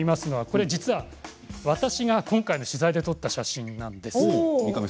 実は、私が今回の取材で撮った写真なんです。